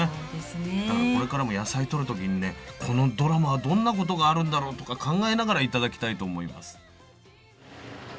だからこれからも野菜とる時にねこのドラマはどんなことがあるんだろう？とか考えながら頂きたいと思います。